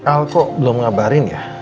al kok belum ngabarin ya